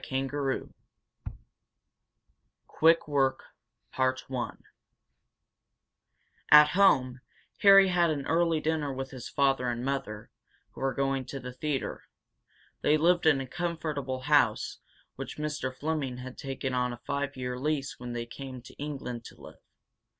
CHAPTER II QUICK WORK At home, Harry had an early dinner with his father and mother, who were going to the theatre. They lived in a comfortable house, which Mr. Fleming had taken on a five year lease when they came to England to live.